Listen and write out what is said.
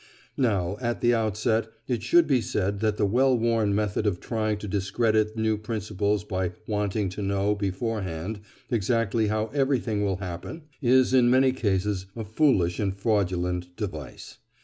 Now, at the outset, it should be said that the well worn method of trying to discredit new principles by "wanting to know" beforehand exactly how everything will happen, is in many cases a foolish and fraudulent device.